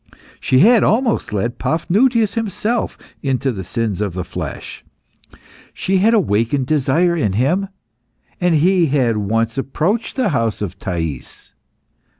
She had almost led Paphnutius himself into the sins of the flesh. She had awakened desire in him, and he had once approached the house of Thais.